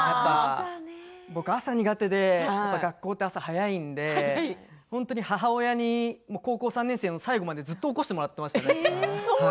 僕、朝苦手で、学校で朝早いので本当に母親に高校３年生の最後まで、ずっと起こしたもらっていましたね。